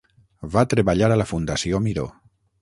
Va treballar a la Fundació Miró.